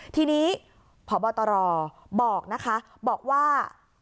ทีนี้พบตรบอกนะคะบอกว่า